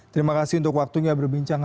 terima kasih untuk waktunya berbincang